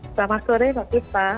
selamat sore pak kispa